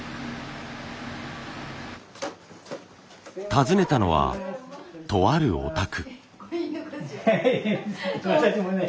訪ねたのはとあるお宅。